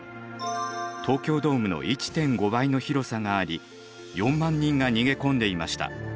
東京ドームの１．５倍の広さがあり４万人が逃げ込んでいました。